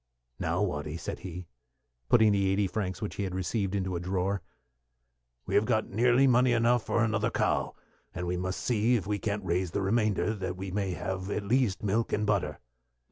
"Now, Watty," said he, putting the eighty francs which he had received into a drawer, "we have got nearly money enough for another cow, and we must see if we can't raise the remainder, that we may have at least milk and butter."